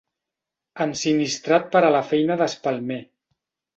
Ensinistrat per a la feina d'espelmer.